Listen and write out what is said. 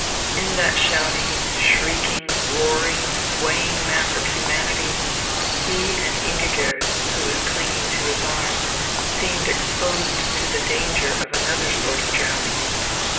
In that shouting, shrieking, roaring, swaying mass of humanity, he and Ingigerd, who was clinging to his arm, seemed exposed to the danger of another sort of drowning.